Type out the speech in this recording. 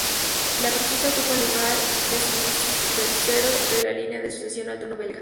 La princesa ocupa el lugar decimotercero en la línea de sucesión al trono belga.